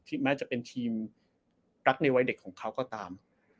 แม้จะเป็นทีมรักในวัยเด็กของเขาก็ตาม